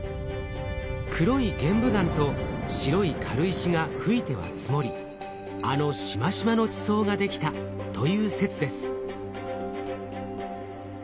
黒い玄武岩と白い軽石が噴いては積もりあのしましまの地層ができたという説です。